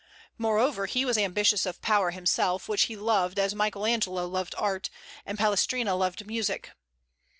Moreover, he was ambitious of power himself, which he loved as Michael Angelo loved art, and Palestrina loved music.